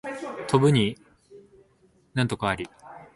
飛ぶに禽あり